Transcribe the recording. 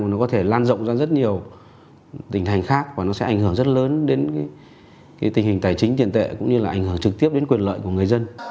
nó có thể lan rộng ra rất nhiều tỉnh thành khác và nó sẽ ảnh hưởng rất lớn đến tình hình tài chính tiền tệ cũng như là ảnh hưởng trực tiếp đến quyền lợi của người dân